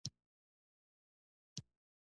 هغې په زوټه وويل.